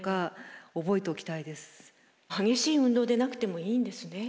激しい運動でなくてもいいんですね？